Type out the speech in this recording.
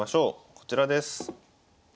こちらです。